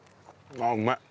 ああうまい。